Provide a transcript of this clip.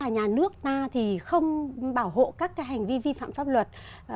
nhà nước ta thì không bảo hộ các hành vi vi phạm pháp luật